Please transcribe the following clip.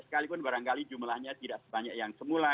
sekalipun barangkali jumlahnya tidak sebanyak yang semula